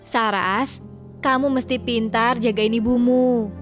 saras kamu mesti pintar jagain ibumu